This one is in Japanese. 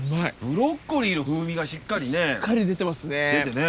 ブロッコリーの風味がしっかり出てね。